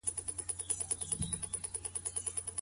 په کوم طهر کي طلاق ورکول منع دي؟